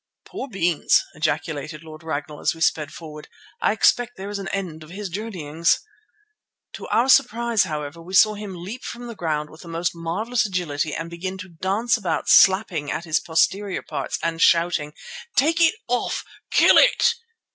"Poor Beans!" ejaculated Lord Ragnall as we sped forward. "I expect there is an end of his journeyings." To our surprise, however, we saw him leap from the ground with the most marvellous agility and begin to dance about slapping at his posterior parts and shouting, "Take it off! Kill it!"